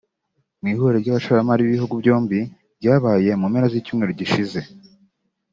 Mu ihuriro ry’abashoramari b’ibihugu byombi ryabaye mu mpera z’icyumweru gishize